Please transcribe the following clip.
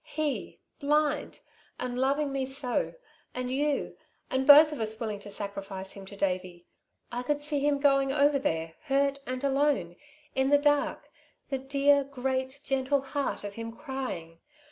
"He, blind ... and loving me so ... and you and both of us willing to sacrifice him to Davey. I could see him going over there, hurt and alone, in the dark, the dear, great, gentle heart of him crying